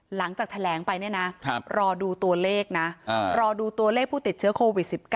หลังจากแถลงไปเนี่ยนะรอดูตัวเลขนะรอดูตัวเลขผู้ติดเชื้อโควิด๑๙